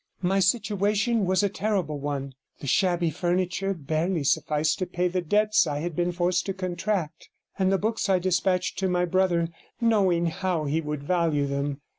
My situation was a terrible one; the shabby furniture barely sufficed to pay the debts I had been forced to contract, and the books I dispatched to my brother, knowing how he would value them.